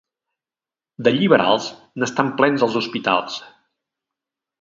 De lliberals, n'estan plens els hospitals.